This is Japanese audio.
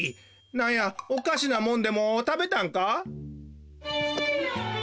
なんやおかしなもんでもたべたんか？